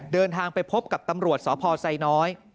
เดินทางไปพบกับตำรวจสพไซน้อย